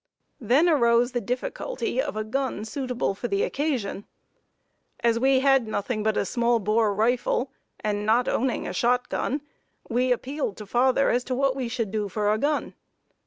Then arose the difficulty of a gun suitable for the occasion. As we had nothing but a small bore rifle and not owning a shotgun, we appealed to father as to what we should do for a gun.